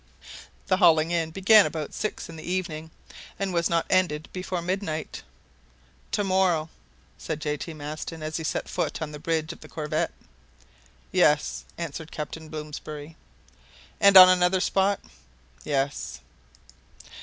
The hauling in began about six in the evening, and was not ended before midnight. "To morrow," said J. T. Maston, as he set foot on the bridge of the corvette. "Yes," answered Captain Blomsberry. "And on another spot?" "Yes."